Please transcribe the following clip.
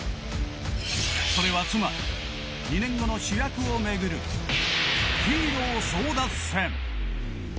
それはつまり２年後の主役をめぐるヒーロー争奪戦。